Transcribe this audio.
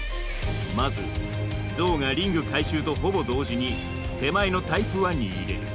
まずゾウがリング回収とほぼ同時に手前のタイプ１に入れる。